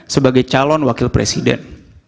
sebagai calon wakil presiden